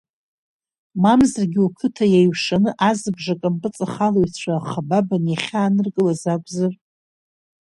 Мамзаргьы уқыҭа еиҩшаны, азыбжак ампыҵахалаҩцәа ахабабаны иахьааныркылаз акәзар?